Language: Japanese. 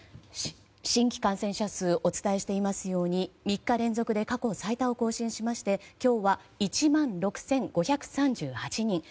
新規感染者数お伝えしていますように３日連続で過去最多を更新しまして今日は１万６５３８人。